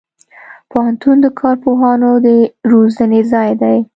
پوهنتون د کارپوهانو د روزنې ځای دی.